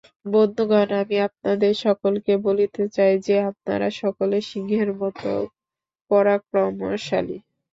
বন্ধুগণ, আমি আপনাদের সকলকে বলিতে চাই যে, আপনারা সকলে সিংহের মত পরাক্রমশালী।